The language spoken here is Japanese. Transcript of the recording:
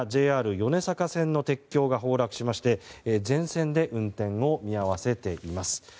ＪＲ米坂線の鉄橋が崩落しまして全線で運転を見合わせています。